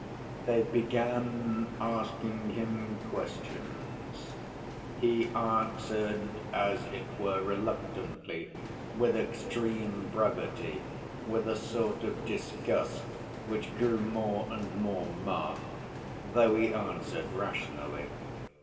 They began asking him questions. He answered, as it were, reluctantly, with extreme brevity, with a sort of disgust which grew more and more marked, though he answered rationally.